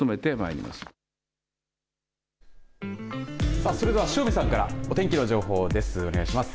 さあ、それでは塩見さんからお天気の情報ですねお願いします。